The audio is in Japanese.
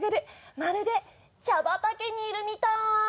まるで茶畑にいるみたい！